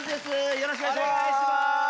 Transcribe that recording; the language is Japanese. よろしくお願いします。